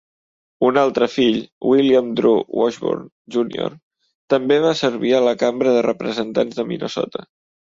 Un altre fill, William Drew Washburn Junior, també va servir a la Cambra de Representants de Minnesota.